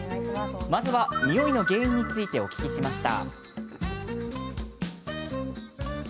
まずは、ニオイの原因についてお聞きしました。